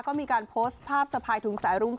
ก็มีการโพสต์ภาพสะพายถุงสายรุ้ง